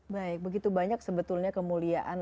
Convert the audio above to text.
baik begitu banyak sebetulnya kemuliaan